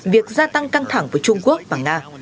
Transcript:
việc gia tăng căng thẳng với trung quốc và nga